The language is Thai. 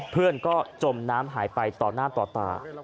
เพื่อนก็จมน้ำหายไปต่อหน้าต่อตา